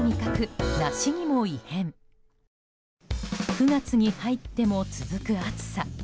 ９月に入っても続く暑さ。